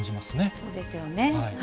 そうですよね。